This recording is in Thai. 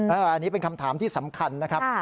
อันนี้เป็นคำถามที่สำคัญนะครับ